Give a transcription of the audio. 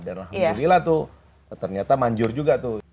alhamdulillah tuh ternyata manjur juga tuh